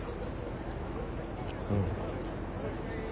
うん。